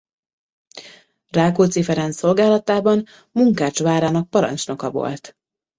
Rákóczi Ferenc szolgálatában Munkács várának parancsnoka volt.